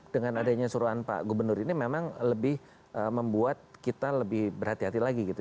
dengan adanya suruhan pak gubernur ini memang lebih membuat kita lebih berhati hati lagi gitu